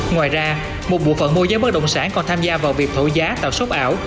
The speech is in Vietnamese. ngoài ra một bộ phận môi giáo bất động sản còn tham gia vào việc thổ giá tạo sốc ảo